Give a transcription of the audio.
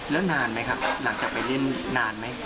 แล้วนานไหมครับหลังจากไปเล่นนานไหม